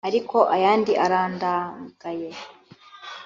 ariko ayandi arandagaye